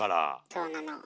そうなの。